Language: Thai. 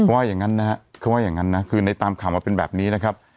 เพราะว่าอย่างนั้นนะครับคือในตามข่าวมาเป็นแบบนี้นะครับ